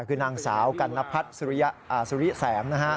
คือนางสาวกัณฑัฐสุริแสง